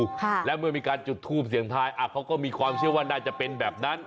ค่ะและเมื่อมีการจุดทูปเสียงทายอ่ะเขาก็มีความเชื่อว่าน่าจะเป็นแบบนั้น